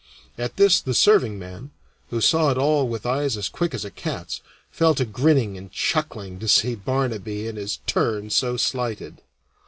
At this the serving man, who saw it all with eyes as quick as a cat's, fell to grinning and chuckling to see Barnaby in his turn so slighted.